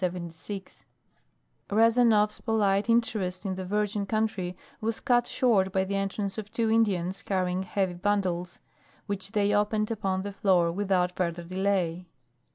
Rezanov's polite interest in the virgin country was cut short by the entrance of two Indians carrying heavy bundles, which they opened upon the floor without further delay.